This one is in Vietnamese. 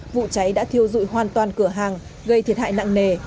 vụ cháy đã thiêu dụi hoàn toàn cửa hàng gây thiệt hại nặng nề